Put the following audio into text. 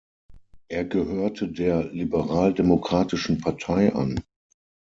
Er gehörte der Liberaldemokratischen Partei an.